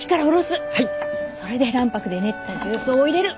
それで卵白で練った重曹を入れる。